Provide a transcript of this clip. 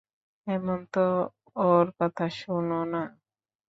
হেমন্ত, ওর কথা শুনো না।